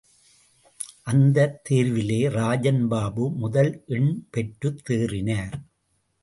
அந்த தேர்விலே ராஜன் பாபு முதல் எண் பெற்றுத் தேறினார்.